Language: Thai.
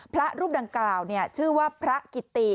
พระรูปดังกล่าวชื่อว่าพระกิติ